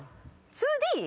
「２Ｄ」？